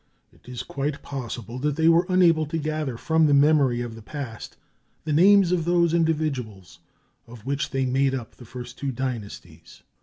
It is quite possible that they were unable to gather from the memory of the past the names of those individuals of which they made up the first two dynasties.